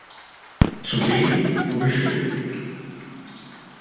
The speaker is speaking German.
Zu sehen, wo wir stehen.